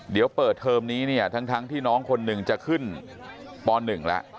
เดี๋ยวเปิดเทอมนี้เนี่ยทั้งที่น้องคนหนึ่งจะขึ้นป๑แล้ว